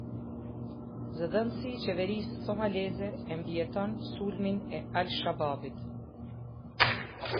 Zëdhënësi i Qeverisë somaleze e mbijeton sulmin e "Al-Shababit".